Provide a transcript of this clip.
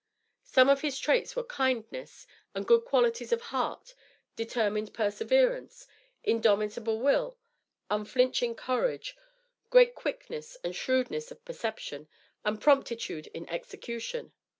Some of his traits were kindness and good qualities of heart, determined perseverance, indomitable will, unflinching courage, great quickness and shrewdness of perception, and promptitude in execution.